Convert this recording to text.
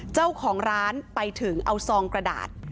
เจ้าของร้านไปถึงเอาซองกระดาษ